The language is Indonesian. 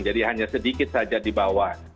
jadi hanya sedikit saja di bawah